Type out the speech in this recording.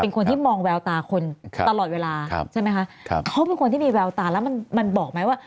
คนที่มองแววตาคนตลอดเวลาใช่ไหมคะครับเขาเป็นคนที่มีแววตาแล้วมันมันบอกไหมว่า